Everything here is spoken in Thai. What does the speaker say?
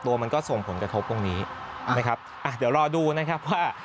มันก็ส่งผลกระทบตรงนี้นะครับอ่ะเดี๋ยวรอดูนะครับว่า